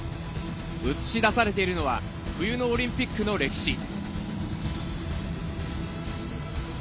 映し出されているのは冬のオリンピックの歴史。